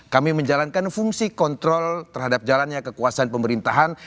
kami menjalankan fungsi kontrol terhadap jalannya kekuasaan pemerintahan